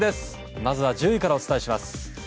まず１０位からお伝えします。